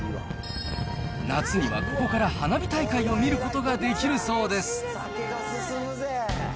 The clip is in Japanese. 夏にはここから花火大会を見ることができるそうです。